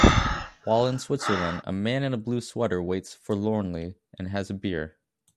While in Switzerland a man in a blue sweater waits forlornly and has a beer